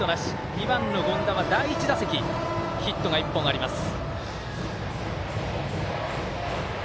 ２番の権田は第１打席ヒットが１本あります。